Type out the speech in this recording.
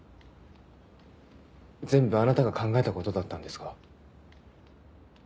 全部あなたが考えたことだったんですか？